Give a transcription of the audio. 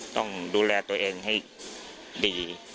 ต้องดูแลตัวเองให้ดี